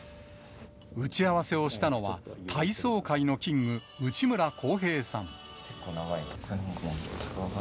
打ち合わせをしたのは、体操界のキング、内村航平さん。